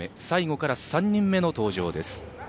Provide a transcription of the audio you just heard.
最後から３人目の登場です。